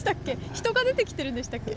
人が出てきてるんでしたっけ？